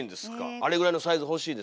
あれぐらいのサイズ欲しいですねえ。